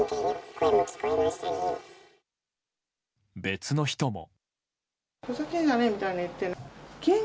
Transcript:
別の人も。